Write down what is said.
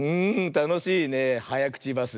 たのしいねはやくちバス。